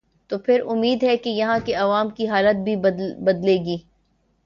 توپھر امید ہے کہ یہاں کے عوام کی حالت بھی بدلے گی۔